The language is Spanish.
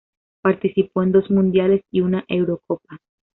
Participó en dos Mundiales y una Eurocopa.